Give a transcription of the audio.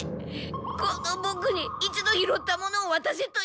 このボクに一度拾ったものをわたせと言うんですか？